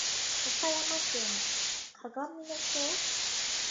岡山県鏡野町